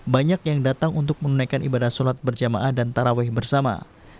banyak yang datang untuk menunaikan ibadah sholat berjamaah dan taraweh bersama